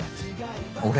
俺？